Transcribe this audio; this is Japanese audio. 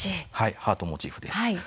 ハートのモチーフです。